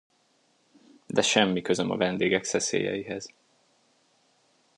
De semmi közöm a vendégek szeszélyeihez.